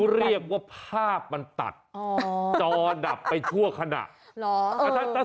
เรียกว่าภาพมันตัดจอดับไปชั่วขณะ